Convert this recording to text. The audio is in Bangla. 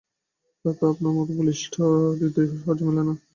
ভ্রাতঃ, আপনার মত বলিষ্ঠ হৃদয় সহজে মেলে না।